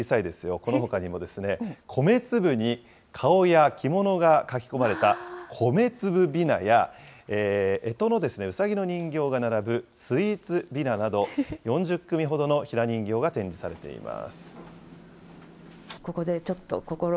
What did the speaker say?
このほかにも、米粒に顔や着物が描き込まれた、米粒びなや、えとのうさぎの人形が並ぶスイーツびななど４０組ほどのひな人形が展示されています。